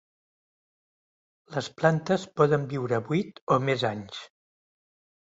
Les plantes poden viure vuit o més anys.